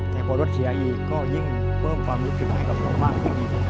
แต่พอรถเสียอีกก็ยิ่งเพิ่มความรู้สึกให้กับเรามากขึ้นอีก